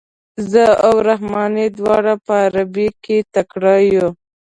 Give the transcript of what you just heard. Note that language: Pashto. زه او رحماني دواړه په عربي کې تکړه یو.